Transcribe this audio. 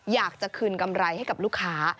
อยากจะคืนกำไรให้กับลูกค้า